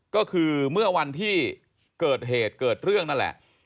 ก็คือเมื่อวันที่เกิดเหตุเกิดเรื่องนั่นแหละ